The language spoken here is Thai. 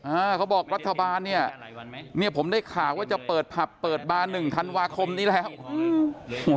เขาบอกรัฐบาลเนี่ยเนี่ยผมได้ข่าวว่าจะเปิดผับเปิดบาร์หนึ่งธันวาคมนี้แล้วอืม